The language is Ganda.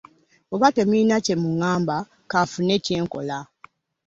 Oba temuyina kyemungamba ,kanfune kyenkola.